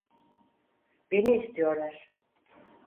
Beni istiyorlar.